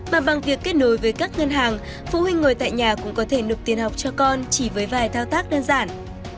mà bằng việc kết nối với các ngân hàng phụ huynh ngồi tại nhà cũng có thể nộp tiền học cho con chỉ với vài thao tác đơn giản